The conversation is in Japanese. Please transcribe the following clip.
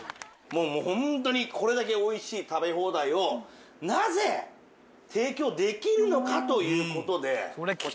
もう本当にこれだけおいしい食べ放題をなぜ提供できるのかという事で。